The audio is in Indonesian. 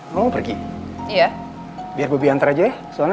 semoga ini berlebihan untuk secara sengaja